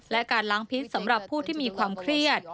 และการล้างพิษสำหรับผู้ที่มีความเครียด